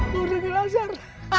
loh dengan asar